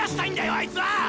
あいつは！